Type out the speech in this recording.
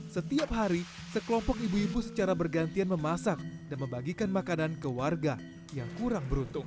setiap hari sekelompok ibu ibu secara bergantian memasak dan membagikan makanan ke warga yang kurang beruntung